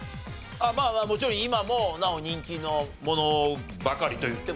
まあまあもちろん今もなお人気のものばかりと言ってもいいですよ。